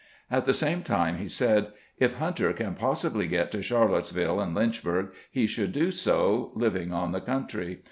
At the same time he said : "If Hunter can possibly get to Charlottesville and Lynchburg, he should do so, living on the country.